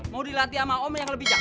mau dilatih sama om yang lebih jahat